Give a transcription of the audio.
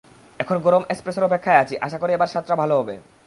এখন গরম এসপ্রেসোর অপেক্ষায় আছি, আশা করি এবার স্বাদটা ভালো হবে।